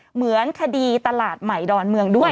เหมือนคดีตลาดใหม่ดอนเมืองด้วย